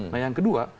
nah yang kedua